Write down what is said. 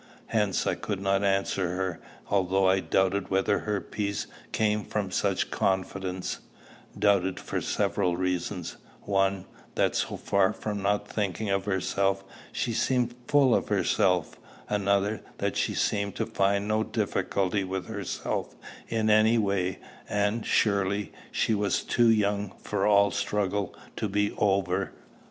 Hence I could not answer her, although I doubted whether her peace came from such confidence, doubted for several reasons: one, that, so far from not thinking of herself, she seemed full of herself; another, that she seemed to find no difficulty with herself in any way; and, surely, she was too young for all struggle to be over!